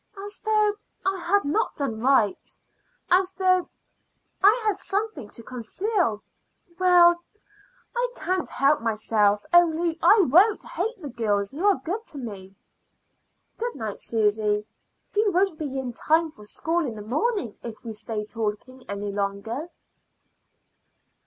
"As though I had not done right as though I had something to conceal. Well, I can't help myself, only I won't hate the girls who are good to me. Good night, Susy. We won't be in time for school in the morning if we stay talking any longer."